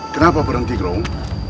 kenapa berhenti kerohong